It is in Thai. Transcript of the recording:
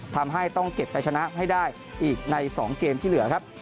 ทำให้ต้องเก็บแต่ชนะให้ได้อีกใน๒เกมที่เหลือครับ